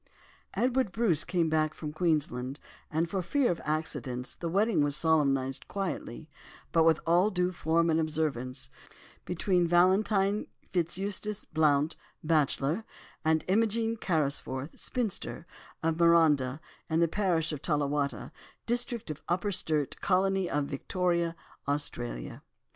'" Edward Bruce came back from Queensland, and for fear of accidents the wedding was solemnised quietly, but with all due form and observance, between Valentine FitzEustace Blount, bachelor, and Imogen Carrisforth, spinster, of Marondah, in the parish of Tallawatta, district of Upper Sturt, colony of Victoria, Australia.